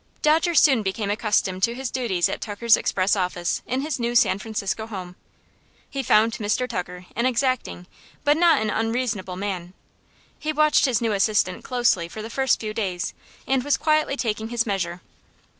Dodger soon became accustomed to his duties at Tucker's express office, in his new San Francisco home. He found Mr. Tucker an exacting, but not an unreasonable, man. He watched his new assistant closely for the first few days, and was quietly taking his measure.